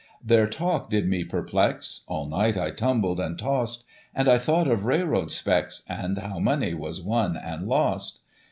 " Their talk did me perplex, All night I tumbled and tossed, And I thought of railroad specs. And how money was won and lost.